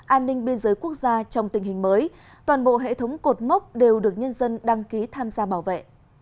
an ninh biên giới quốc gia trong tình hình mới toàn bộ hệ thống cột mốc đều được nhân dân đăng ký tham gia bảo vệ